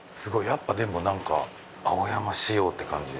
やっぱでもなんか青山仕様って感じ。